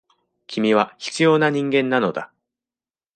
君は必要な人間なのだ。